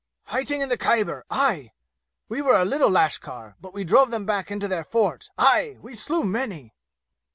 "Fighting in the Khyber! Aye! We were a little lashkar, but we drove them back into their fort! Aye! we slew many!"